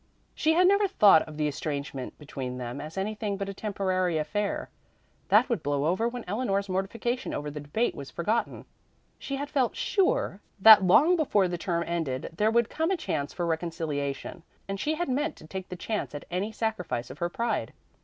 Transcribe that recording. She had never thought of the estrangement between them as anything but a temporary affair, that would blow over when Eleanor's mortification over the debate was forgotten. She had felt sure that long before the term ended there would come a chance for a reconciliation, and she had meant to take the chance at any sacrifice of her pride.